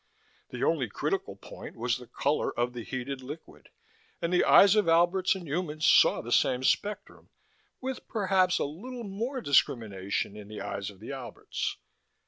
The only critical point was the color of the heated liquid, and the eyes of Alberts and humans saw the same spectrum, with perhaps a little more discrimination in the eyes of the Alberts.